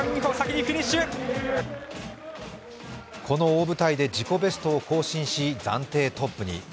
この大舞台で自己ベストを更新し暫定トップに。